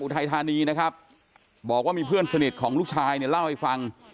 ไทยธานีนะครับบอกว่ามีเพื่อนสนิทของลูกชายเนี่ยเล่าให้ฟัง